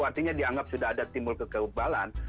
artinya dianggap sudah ada timbul kekebalan